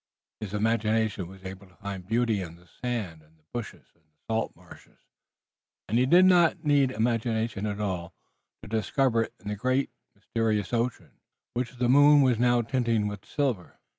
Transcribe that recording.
His imagination was able to find beauty in the sand and the bushes and the salt marshes, and he did not need imagination at all to discover it in the great, mysterious ocean, which the moon was now tinting with silver.